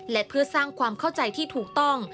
และเพื่อสร้างความเข้าใจที่ถูกต้อง